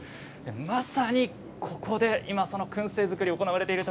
まさにここでくん製作りが行われています。